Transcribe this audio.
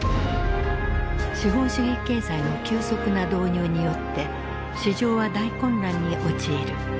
資本主義経済の急速な導入によって市場は大混乱に陥る。